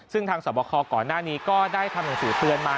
ซึ่งทางสวบคอก่อนหน้านี้ก็ได้ทำหนังสือเตือนมา